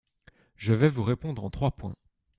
Je vais vous répondre en trois points.